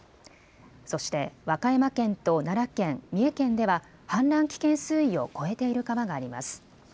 そして和歌山県と奈良県、三重県では氾濫危険水位を超えている川があります。